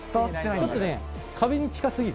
ちょっとね、壁に近すぎる。